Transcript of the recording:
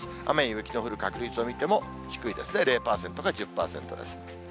雨や雪の降る確率を見ても、低いですね、０％か１０％です。